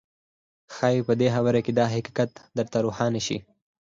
ښايي په دې خبره کې دا حقيقت درته روښانه شي.